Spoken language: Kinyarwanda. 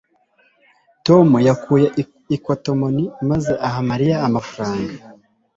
tom yakuye ikotomoni maze aha mariya amafaranga